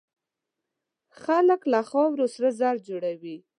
خلک له خاورو سره زر جوړوي.